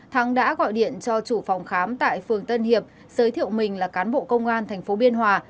thắng đã gọi điện cho chủ phòng khám tại phường tân hiệp giới thiệu mình là cán bộ công an tp biên hòa